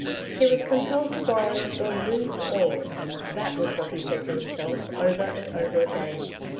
'^ He was compelled to borrow, or lose alV^ — that was what he said to himself over and over again.